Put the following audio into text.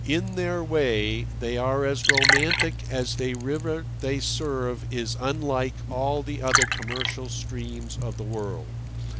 In their way they are as romantic as the river they serve is unlike all the other commercial streams of the world.